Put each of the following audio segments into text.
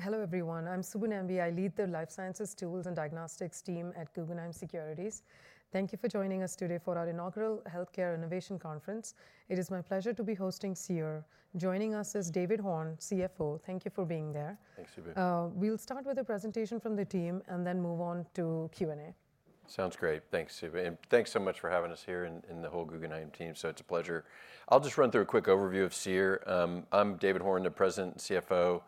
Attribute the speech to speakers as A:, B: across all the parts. A: Hello everyone. I'm Subin MV. I lead the Life Sciences Tools and Diagnostics team at Guggenheim Securities. Thank you for joining us today for our inaugural Healthcare Innovation Conference. It is my pleasure to be hosting Seer. Joining us is David Horn, CFO. Thank you for being there.
B: Thanks, Subin.
A: We'll start with a presentation from the team and then move on to Q&A.
B: Sounds great. Thanks, Subin. Thanks so much for having us here and the whole Guggenheim team. So it's a pleasure. I'll just run through a quick overview of Seer. I'm David Horn, the President and CFO.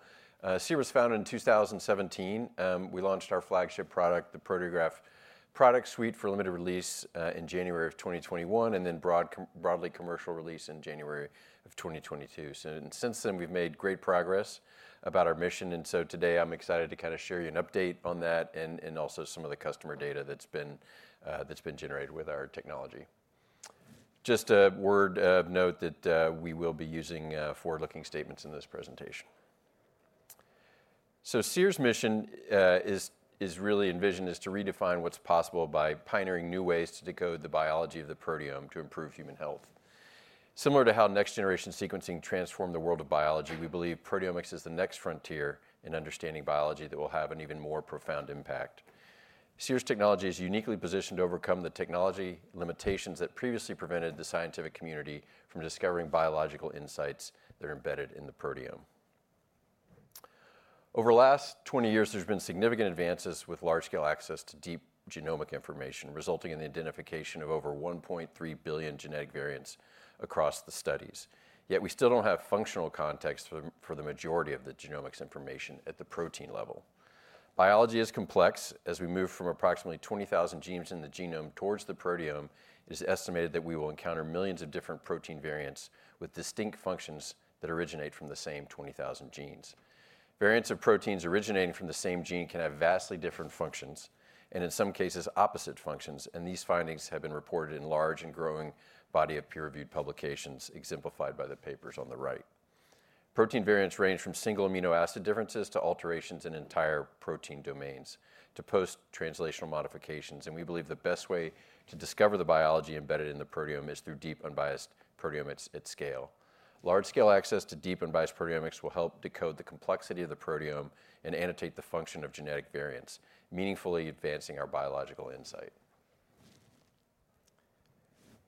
B: Seer was founded in 2017. We launched our flagship product, the Proteograph Product Suite, for limited release in January of 2021, and then broadly commercial release in January of 2022. So since then, we've made great progress about our mission. And so today, I'm excited to kind of share with you an update on that and also some of the customer data that's been generated with our technology. Just a word of note that we will be using forward-looking statements in this presentation. So Seer's mission is really envisioned to redefine what's possible by pioneering new ways to decode the biology of the proteome to improve human health. Similar to how next-generation sequencing transformed the world of biology, we believe proteomics is the next frontier in understanding biology that will have an even more profound impact. Seer's technology is uniquely positioned to overcome the technology limitations that previously prevented the scientific community from discovering biological insights that are embedded in the proteome. Over the last 20 years, there's been significant advances with large-scale access to deep genomic information, resulting in the identification of over 1.3 billion genetic variants across the studies. Yet we still don't have functional context for the majority of the genomics information at the protein level. Biology is complex. As we move from approximately 20,000 genes in the genome towards the proteome, it is estimated that we will encounter millions of different protein variants with distinct functions that originate from the same 20,000 genes. Variants of proteins originating from the same gene can have vastly different functions, and in some cases, opposite functions. These findings have been reported in a large and growing body of peer-reviewed publications, exemplified by the papers on the right. Protein variants range from single amino acid differences to alterations in entire protein domains to post-translational modifications. We believe the best way to discover the biology embedded in the proteome is through deep, unbiased proteomics at scale. Large-scale access to deep, unbiased proteomics will help decode the complexity of the proteome and annotate the function of genetic variants, meaningfully advancing our biological insight.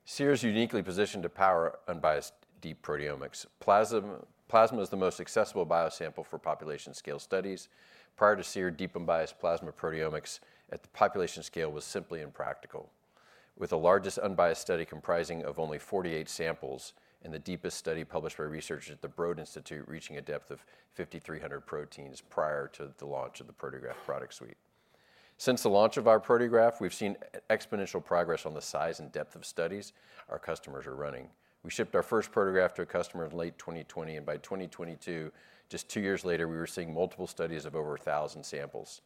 B: Seer is uniquely positioned to power unbiased deep proteomics. Plasma is the most accessible biosample for population-scale studies. Prior to Seer, deep, unbiased plasma proteomics at the population scale was simply impractical, with the largest unbiased study comprising of only 48 samples and the deepest study published by researchers at the Broad Institute, reaching a depth of 5,300 proteins prior to the launch of the Proteograph product suite. Since the launch of our Proteograph, we've seen exponential progress on the size and depth of studies our customers are running. We shipped our first Proteograph to a customer in late 2020. And by 2022, just two years later, we were seeing multiple studies of over 1,000 samples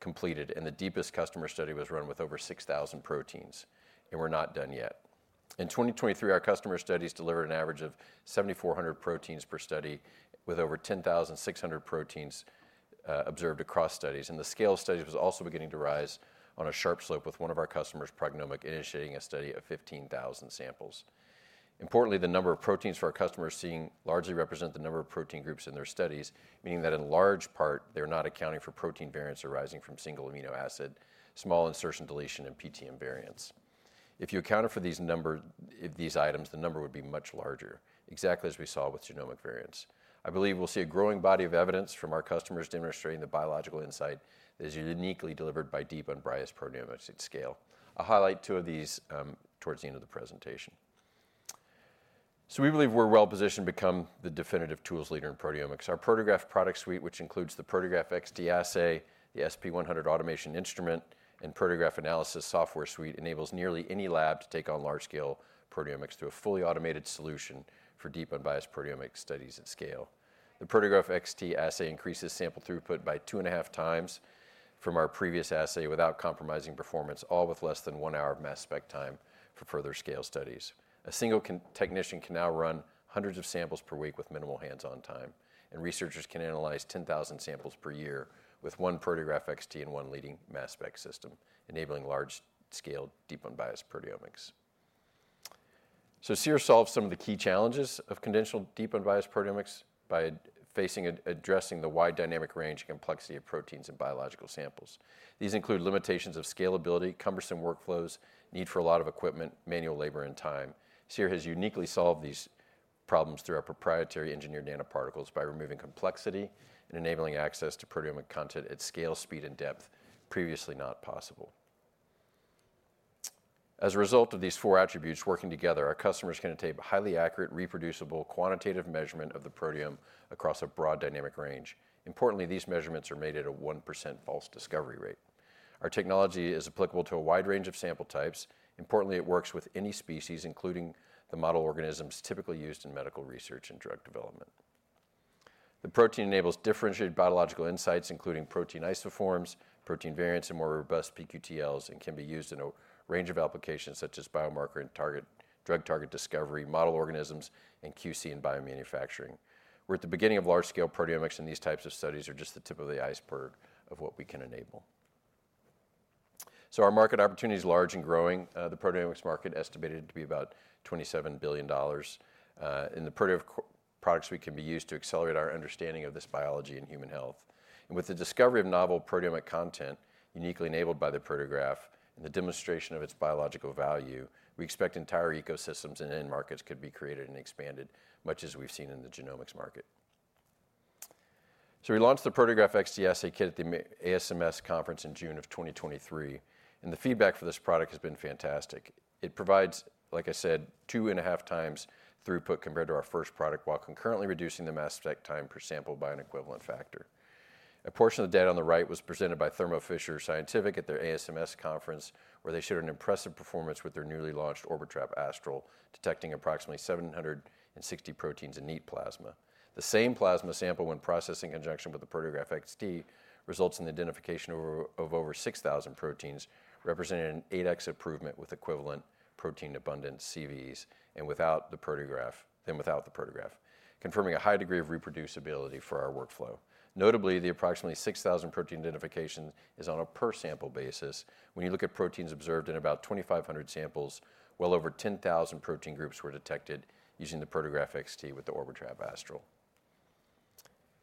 B: completed. And the deepest customer study was run with over 6,000 proteins. And we're not done yet. In 2023, our customer studies delivered an average of 7,400 proteins per study, with over 10,600 proteins observed across studies. And the scale of studies was also beginning to rise on a sharp slope, with one of our customers, PrognomiQ, initiating a study of 15,000 samples. Importantly, the number of proteins for our customers seen largely represents the number of protein groups in their studies, meaning that in large part, they're not accounting for protein variants arising from single amino acid, small insertion deletion, and PTM variants. If you accounted for these items, the number would be much larger, exactly as we saw with genomic variants. I believe we'll see a growing body of evidence from our customers demonstrating the biological insight that is uniquely delivered by deep, unbiased proteomics at scale. I'll highlight two of these toward the end of the presentation. So we believe we're well positioned to become the definitive tools leader in proteomics. Our Proteograph Product Suite, which includes the Proteograph XT Assay, the SP100 automation instrument, and Proteograph Analysis Suite, enables nearly any lab to take on large-scale proteomics to a fully automated solution for deep, unbiased proteomics studies at scale. The Proteograph XT Assay increases sample throughput by two and a half times from our previous assay without compromising performance, all with less than one hour of mass spec time for further scale studies. A single technician can now run hundreds of samples per week with minimal hands-on time. And researchers can analyze 10,000 samples per year with one Proteograph XT and one leading mass spec system, enabling large-scale deep, unbiased proteomics. So Seer solves some of the key challenges of conventional deep, unbiased proteomics by addressing the wide dynamic range and complexity of proteins and biological samples. These include limitations of scalability, cumbersome workflows, need for a lot of equipment, manual labor, and time. Seer has uniquely solved these problems through our proprietary engineered nanoparticles by removing complexity and enabling access to proteomic content at scale, speed, and depth previously not possible. As a result of these four attributes working together, our customers can obtain a highly accurate, reproducible, quantitative measurement of the proteome across a broad dynamic range. Importantly, these measurements are made at a 1% false discovery rate. Our technology is applicable to a wide range of sample types. Importantly, it works with any species, including the model organisms typically used in medical research and drug development. The protein enables differentiated biological insights, including protein isoforms, protein variants, and more robust pQTLs, and can be used in a range of applications such as biomarker and drug target discovery, model organisms, and QC and biomanufacturing. We're at the beginning of large-scale proteomics, and these types of studies are just the tip of the iceberg of what we can enable, so our market opportunity is large and growing. The proteomics market is estimated to be about $27 billion, and the Proteograph product suite can be used to accelerate our understanding of this biology and human health, and with the discovery of novel proteomic content, uniquely enabled by the Proteograph, and the demonstration of its biological value, we expect entire ecosystems and end markets could be created and expanded, much as we've seen in the genomics market, so we launched the Proteograph XT assay kit at the ASMS conference in June of 2023, and the feedback for this product has been fantastic. It provides, like I said, two and a half times throughput compared to our first product, while concurrently reducing the mass spec time per sample by an equivalent factor. A portion of the data on the right was presented by Thermo Fisher Scientific at their ASMS conference, where they showed an impressive performance with their newly launched Orbitrap Astral, detecting approximately 760 proteins in neat plasma. The same plasma sample, when processed in conjunction with the Proteograph XT, results in the identification of over 6,000 proteins, representing an 8x improvement with equivalent protein abundance CVs than without the Proteograph, confirming a high degree of reproducibility for our workflow. Notably, the approximately 6,000 protein identification is on a per-sample basis. When you look at proteins observed in about 2,500 samples, well over 10,000 protein groups were detected using the Proteograph XT with the Orbitrap Astral.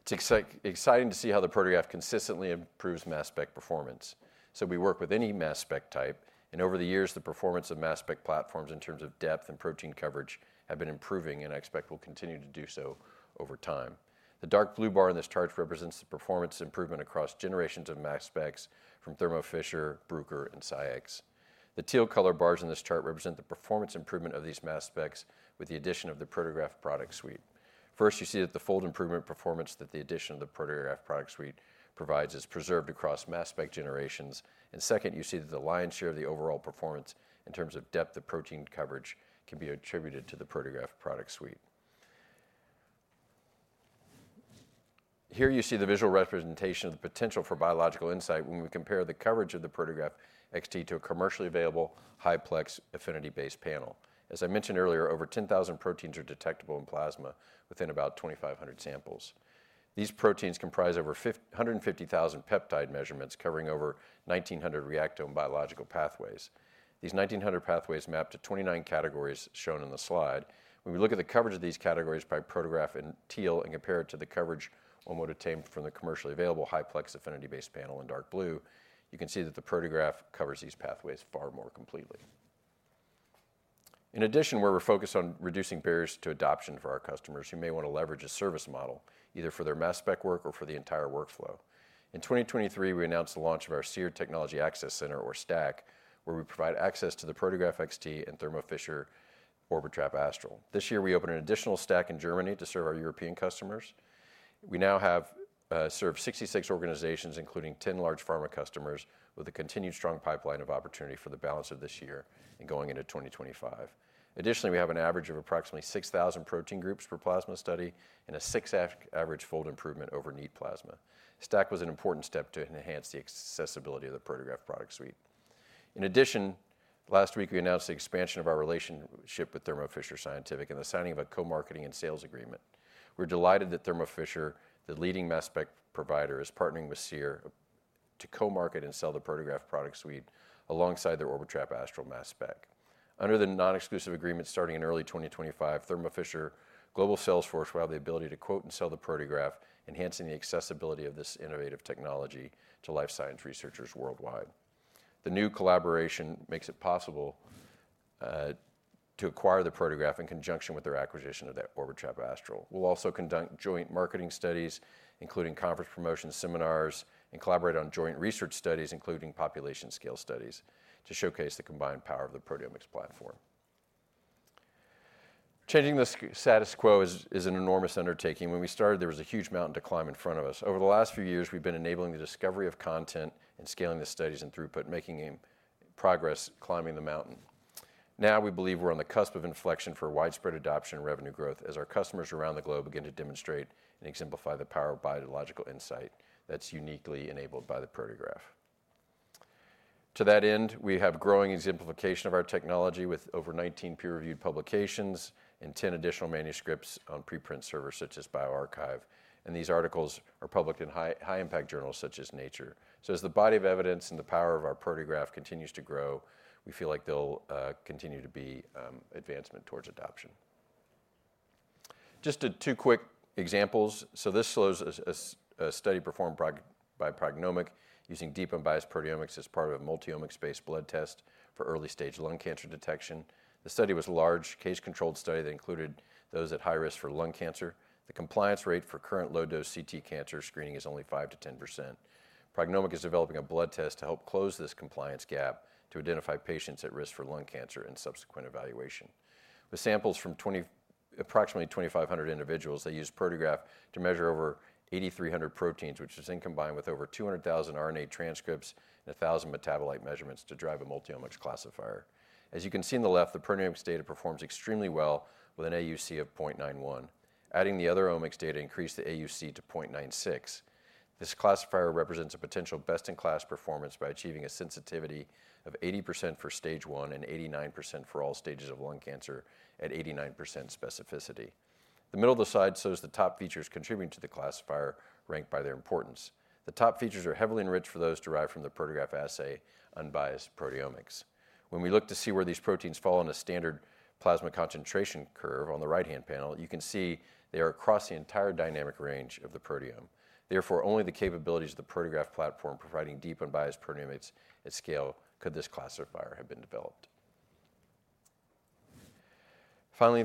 B: It's exciting to see how the Proteograph consistently improves mass spec performance. So we work with any mass spec type. And over the years, the performance of mass spec platforms in terms of depth and protein coverage has been improving, and I expect will continue to do so over time. The dark blue bar in this chart represents the performance improvement across generations of mass specs from Thermo Fisher, Bruker, and SCIEX. The teal color bars in this chart represent the performance improvement of these mass specs with the addition of the Proteograph product suite. First, you see that the fold improvement performance that the addition of the Proteograph product suite provides is preserved across mass spec generations. And second, you see that the lion's share of the overall performance in terms of depth of protein coverage can be attributed to the Proteograph product suite. Here you see the visual representation of the potential for biological insight when we compare the coverage of the Proteograph XT to a commercially available high-plex affinity-based panel. As I mentioned earlier, over 10,000 proteins are detectable in plasma within about 2,500 samples. These proteins comprise over 150,000 peptide measurements covering over 1,900 Reactome biological pathways. These 1,900 pathways map to 29 categories shown in the slide. When we look at the coverage of these categories by Proteograph in teal and compare it to the coverage from the commercially available high-plex affinity-based panel in dark blue, you can see that the Proteograph covers these pathways far more completely. In addition, we're focused on reducing barriers to adoption for our customers who may want to leverage a service model, either for their mass spec work or for the entire workflow. In 2023, we announced the launch of our Seer Technology Access Center, or STAC, where we provide access to the Proteograph XT and Thermo Fisher Orbitrap Astral. This year, we opened an additional STAC in Germany to serve our European customers. We now have served 66 organizations, including 10 large pharma customers, with a continued strong pipeline of opportunity for the balance of this year and going into 2025. Additionally, we have an average of approximately 6,000 protein groups per plasma study and a 6x average fold improvement over neat plasma. STAC was an important step to enhance the accessibility of the Proteograph product suite. In addition, last week, we announced the expansion of our relationship with Thermo Fisher Scientific and the signing of a co-marketing and sales agreement. We're delighted that Thermo Fisher, the leading mass spec provider, is partnering with Seer to co-market and sell the Proteograph product suite alongside their Orbitrap Astral mass spec. Under the non-exclusive agreement starting in early 2025, Thermo Fisher global sales force will have the ability to quote and sell the Proteograph, enhancing the accessibility of this innovative technology to life science researchers worldwide. The new collaboration makes it possible to acquire the Proteograph in conjunction with their acquisition of the Orbitrap Astral. We'll also conduct joint marketing studies, including conference promotion seminars, and collaborate on joint research studies, including population-scale studies, to showcase the combined power of the proteomics platform. Changing the status quo is an enormous undertaking. When we started, there was a huge mountain to climb in front of us. Over the last few years, we've been enabling the discovery of content and scaling the studies and throughput, making progress, climbing the mountain. Now, we believe we're on the cusp of inflection for widespread adoption and revenue growth as our customers around the globe begin to demonstrate and exemplify the power of biological insight that's uniquely enabled by the Proteograph. To that end, we have growing exemplification of our technology with over 19 peer-reviewed publications and 10 additional manuscripts on preprint servers such as bioRxiv. And these articles are published in high-impact journals such as Nature. So as the body of evidence and the power of our Proteograph continues to grow, we feel like there'll continue to be advancement towards adoption. Just two quick examples. So this was a study performed by PrognomiQ using deep, unbiased proteomics as part of a multi-omics-based blood test for early-stage lung cancer detection. The study was a large case-controlled study that included those at high risk for lung cancer. The compliance rate for current low-dose CT cancer screening is only 5%-10%. PrognomiQ is developing a blood test to help close this compliance gap to identify patients at risk for lung cancer and subsequent evaluation. With samples from approximately 2,500 individuals, they used Proteograph to measure over 8,300 proteins, which is then combined with over 200,000 RNA transcripts and 1,000 metabolite measurements to drive a multi-omics classifier. As you can see on the left, the proteomics data performs extremely well with an AUC of 0.91. Adding the other omics data increased the AUC to 0.96. This classifier represents a potential best-in-class performance by achieving a sensitivity of 80% for stage one and 89% for all stages of lung cancer at 89% specificity. The middle of the slide shows the top features contributing to the classifier, ranked by their importance. The top features are heavily enriched for those derived from the Proteograph assay unbiased proteomics. When we look to see where these proteins fall on a standard plasma concentration curve on the right-hand panel, you can see they are across the entire dynamic range of the proteome. Therefore, only the capabilities of the Proteograph platform providing deep, unbiased proteomics at scale could this classifier have been developed. Finally,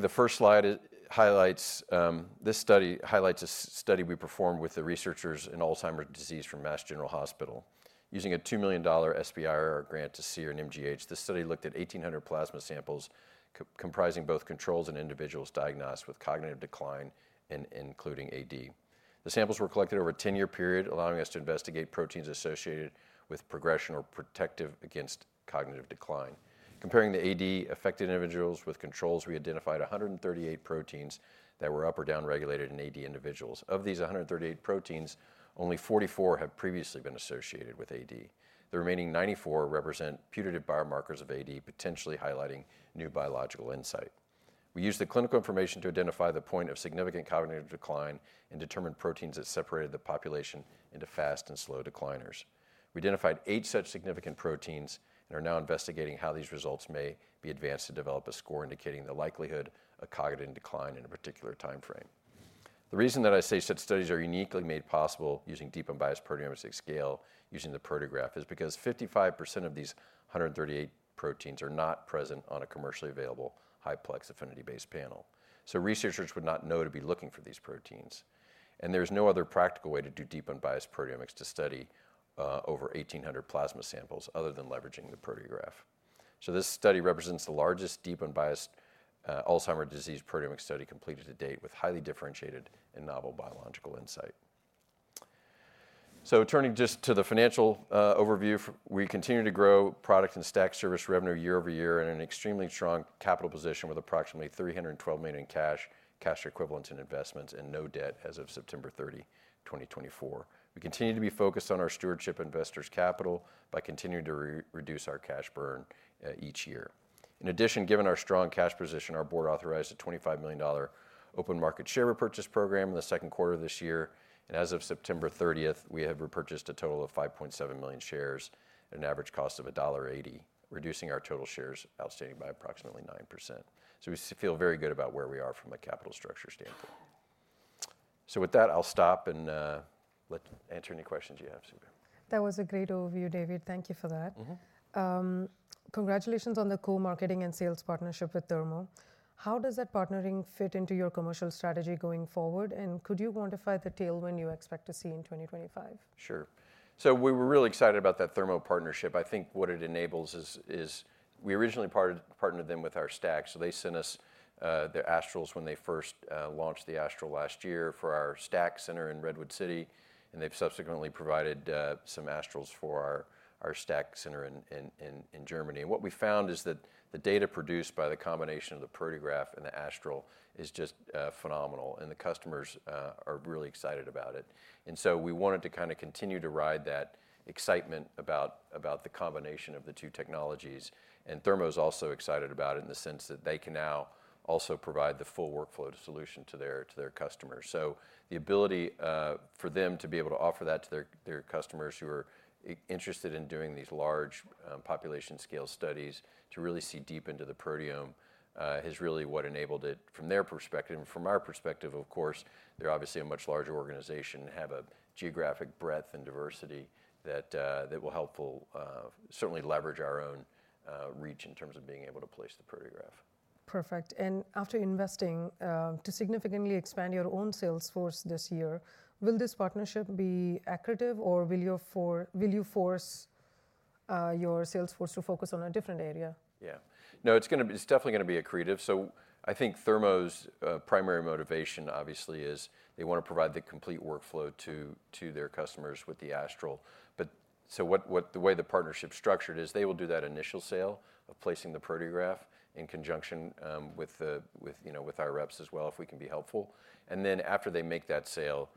B: this study highlights a study we performed with the researchers in Alzheimer's disease from Massachusetts General Hospital. Using a $2 million SBIR grant to Seer and MGH, this study looked at 1,800 plasma samples comprising both controls and individuals diagnosed with cognitive decline, including AD. The samples were collected over a 10-year period, allowing us to investigate proteins associated with progression or protective against cognitive decline. Comparing the AD-affected individuals with controls, we identified 138 proteins that were up or down-regulated in AD individuals. Of these 138 proteins, only 44 have previously been associated with AD. The remaining 94 represent putative biomarkers of AD, potentially highlighting new biological insight. We used the clinical information to identify the point of significant cognitive decline and determined proteins that separated the population into fast and slow decliners. We identified eight such significant proteins and are now investigating how these results may be advanced to develop a score indicating the likelihood of cognitive decline in a particular timeframe. The reason that I say such studies are uniquely made possible using deep, unbiased proteomics at scale using the Proteograph is because 55% of these 138 proteins are not present on a commercially available high-plex affinity-based panel, so researchers would not know to be looking for these proteins, and there is no other practical way to do deep, unbiased proteomics to study over 1,800 plasma samples other than leveraging the Proteograph, so this study represents the largest deep, unbiased Alzheimer's disease proteomics study completed to date with highly differentiated and novel biological insight, so turning just to the financial overview, we continue to grow product and STAC service revenue year over year and an extremely strong capital position with approximately $312 million in cash, cash equivalents, and investments, and no debt as of September 30, 2024. We continue to be focused on stewarding investors' capital by continuing to reduce our cash burn each year. In addition, given our strong cash position, our board authorized a $25 million open market share repurchase program in the second quarter of this year. And as of September 30th, we have repurchased a total of 5.7 million shares at an average cost of $1.80, reducing our total shares outstanding by approximately 9%. So we feel very good about where we are from a capital structure standpoint. So with that, I'll stop and let you answer any questions you have.
A: That was a great overview, David. Thank you for that. Congratulations on the co-marketing and sales partnership with Thermo. How does that partnering fit into your commercial strategy going forward? And could you quantify the tailwind you expect to see in 2025?
B: Sure. So we were really excited about that Thermo partnership. I think what it enables is we originally partnered them with our STAC. So they sent us their Astrals when they first launched the Astral last year for our STAC center in Redwood City. And they've subsequently provided some Astrals for our STAC center in Germany. And what we found is that the data produced by the combination of the Proteograph and the Astral is just phenomenal. And the customers are really excited about it. And so we wanted to kind of continue to ride that excitement about the combination of the two technologies. And Thermo is also excited about it in the sense that they can now also provide the full workflow solution to their customers. The ability for them to be able to offer that to their customers who are interested in doing these large population-scale studies to really see deep into the proteome has really what enabled it from their perspective. From our perspective, of course, they're obviously a much larger organization and have a geographic breadth and diversity that will help certainly leverage our own reach in terms of being able to place the Proteograph.
A: Perfect. And after investing to significantly expand your own sales force this year, will this partnership be accretive, or will you force your sales force to focus on a different area?
B: Yeah. No, it's definitely going to be accurate. So I think Thermo's primary motivation, obviously, is they want to provide the complete workflow to their customers with the Astral. So the way the partnership's structured is they will do that initial sale of placing the Proteograph in conjunction with our reps as well, if we can be helpful. And then after they make that sale,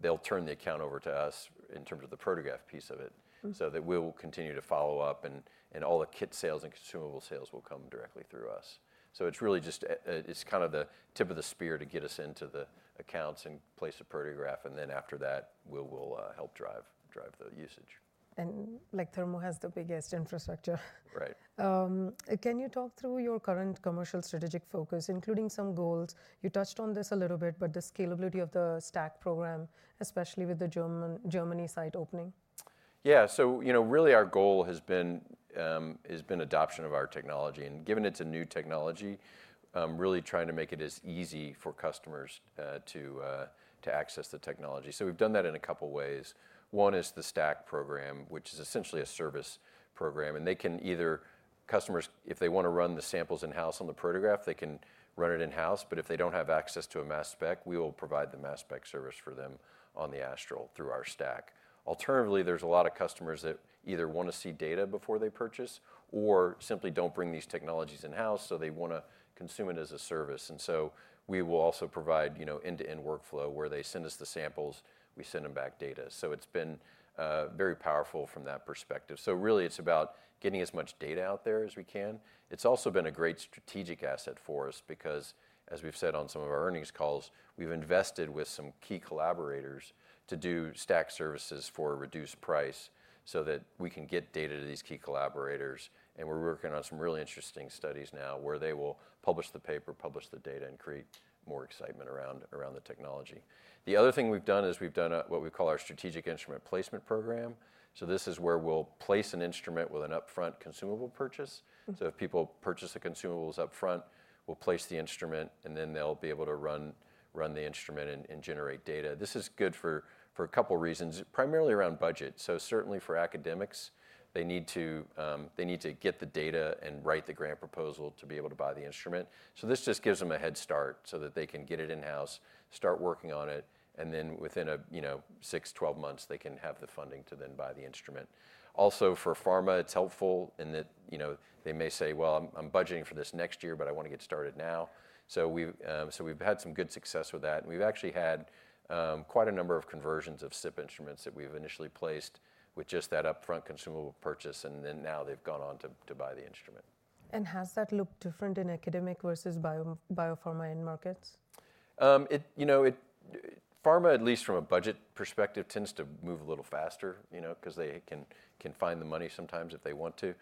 B: they'll turn the account over to us in terms of the Proteograph piece of it so that we'll continue to follow up. And all the kit sales and consumable sales will come directly through us. So it's really just kind of the tip of the spear to get us into the accounts and place a Proteograph. And then after that, we'll help drive the usage.
A: Thermo has the biggest infrastructure.
B: Right.
A: Can you talk through your current commercial strategic focus, including some goals? You touched on this a little bit, but the scalability of the STAC program, especially with the Germany site opening.
B: Yeah. So really, our goal has been adoption of our technology. And given it's a new technology, really trying to make it as easy for customers to access the technology. So we've done that in a couple of ways. One is the STAC program, which is essentially a service program. And they can either customers, if they want to run the samples in-house on the Proteograph, they can run it in-house. But if they don't have access to a mass spec, we will provide the mass spec service for them on the Astral through our STAC. Alternatively, there's a lot of customers that either want to see data before they purchase or simply don't bring these technologies in-house. So they want to consume it as a service. And so we will also provide end-to-end workflow where they send us the samples, we send them back data. So it's been very powerful from that perspective. So really, it's about getting as much data out there as we can. It's also been a great strategic asset for us because, as we've said on some of our earnings calls, we've invested with some key collaborators to do STAC services for a reduced price so that we can get data to these key collaborators. And we're working on some really interesting studies now where they will publish the paper, publish the data, and create more excitement around the technology. The other thing we've done is we've done what we call our strategic instrument placement program. So this is where we'll place an instrument with an upfront consumable purchase. So if people purchase the consumables upfront, we'll place the instrument, and then they'll be able to run the instrument and generate data. This is good for a couple of reasons, primarily around budget. So certainly for academics, they need to get the data and write the grant proposal to be able to buy the instrument. So this just gives them a head start so that they can get it in-house, start working on it, and then within six, 12 months, they can have the funding to then buy the instrument. Also, for pharma, it's helpful in that they may say, "Well, I'm budgeting for this next year, but I want to get started now." So we've had some good success with that. And we've actually had quite a number of conversions of SP instruments that we've initially placed with just that upfront consumable purchase. And then now they've gone on to buy the instrument.
A: Has that looked different in academic versus biopharma end markets?
B: Pharma, at least from a budget perspective, tends to move a little faster because they can find the money sometimes if they want to.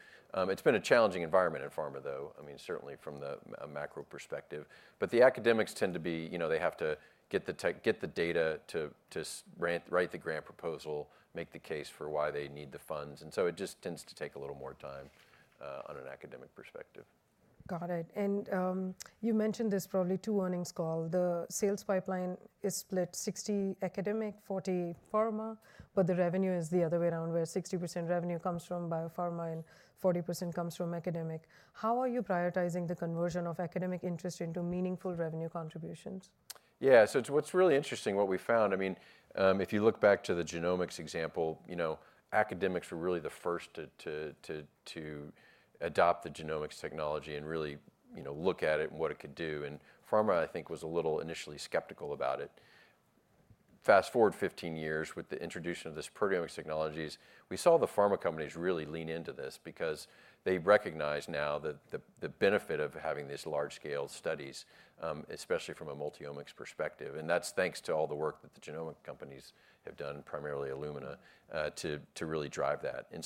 B: It's been a challenging environment in pharma, though, I mean, certainly from the macro perspective, but the academics tend to be they have to get the data to write the grant proposal, make the case for why they need the funds, and so it just tends to take a little more time on an academic perspective.
A: Got it. And you mentioned this probably two earnings call. The sales pipeline is split 60% academic, 40% pharma, but the revenue is the other way around where 60% revenue comes from biopharma and 40% comes from academic. How are you prioritizing the conversion of academic interest into meaningful revenue contributions?
B: Yeah. So what's really interesting, what we found, I mean, if you look back to the genomics example, academics were really the first to adopt the genomics technology and really look at it and what it could do. And pharma, I think, was a little initially skeptical about it. Fast forward 15 years with the introduction of this proteomics technologies, we saw the pharma companies really lean into this because they recognize now the benefit of having these large-scale studies, especially from a multi-omics perspective. And that's thanks to all the work that the genomic companies have done, primarily Illumina, to really drive that. And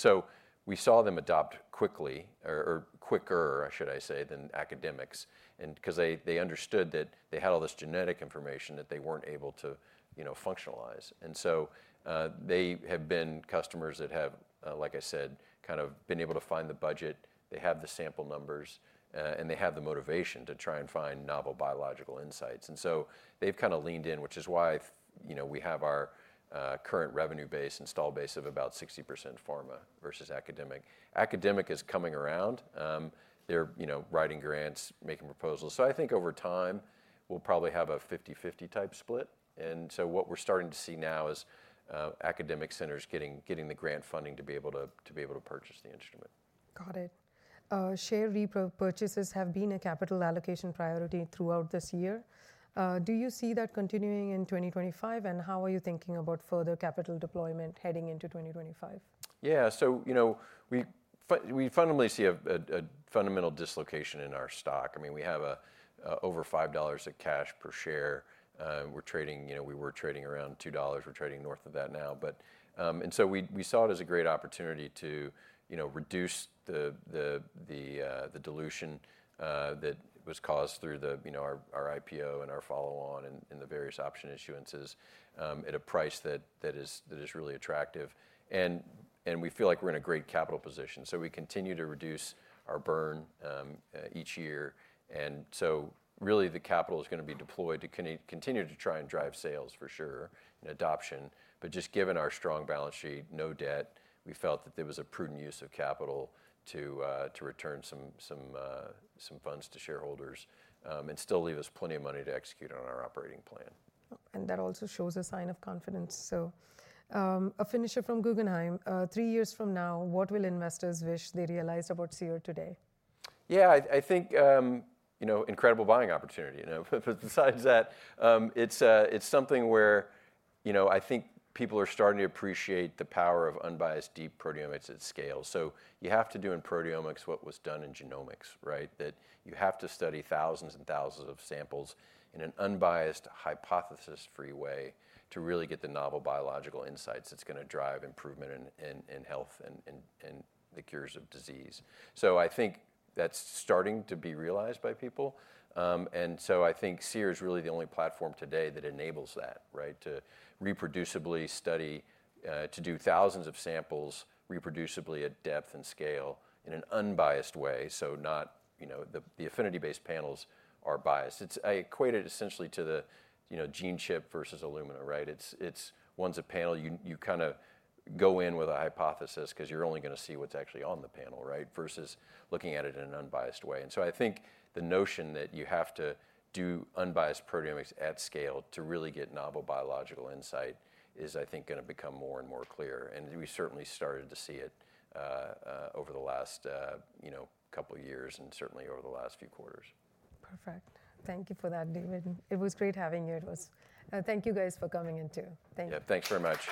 B: so we saw them adopt quickly, or quicker, should I say, than academics because they understood that they had all this genetic information that they weren't able to functionalize. They have been customers that have, like I said, kind of been able to find the budget. They have the sample numbers, and they have the motivation to try and find novel biological insights. They have kind of leaned in, which is why we have our current revenue base and installed base of about 60% pharma versus academic. Academic is coming around. They are writing grants, making proposals. I think over time, we'll probably have a 50/50 type split. What we're starting to see now is academic centers getting the grant funding to be able to purchase the instrument.
A: Got it. Share repurchases have been a capital allocation priority throughout this year. Do you see that continuing in 2025, and how are you thinking about further capital deployment heading into 2025?
B: Yeah. So we fundamentally see a fundamental dislocation in our stock. I mean, we have over $5 of cash per share. We were trading around $2. We're trading north of that now. And so we saw it as a great opportunity to reduce the dilution that was caused through our IPO and our follow-on and the various option issuances at a price that is really attractive. And we feel like we're in a great capital position. So we continue to reduce our burn each year. And so really, the capital is going to be deployed to continue to try and drive sales for sure and adoption. But just given our strong balance sheet, no debt, we felt that there was a prudent use of capital to return some funds to shareholders and still leave us plenty of money to execute on our operating plan.
A: That also shows a sign of confidence. A finisher from Guggenheim. Three years from now, what will investors wish they realized about Seer today?
B: Yeah. I think incredible buying opportunity. Besides that, it's something where I think people are starting to appreciate the power of unbiased deep proteomics at scale. So you have to do in proteomics what was done in genomics, right, that you have to study thousands and thousands of samples in an unbiased, hypothesis-free way to really get the novel biological insights that's going to drive improvement in health and the cures of disease. So I think that's starting to be realized by people. And so I think Seer is really the only platform today that enables that, right, to reproducibly study, to do thousands of samples reproducibly at depth and scale in an unbiased way. So the affinity-based panels are biased. It's equated essentially to the GeneChip versus Illumina, right? It's one's a panel. You kind of go in with a hypothesis because you're only going to see what's actually on the panel, right, versus looking at it in an unbiased way. And so I think the notion that you have to do unbiased proteomics at scale to really get novel biological insight is, I think, going to become more and more clear. And we certainly started to see it over the last couple of years and certainly over the last few quarters.
A: Perfect. Thank you for that, David. It was great having you. Thank you, guys, for coming in too. Thank you.
B: Yeah. Thanks very much.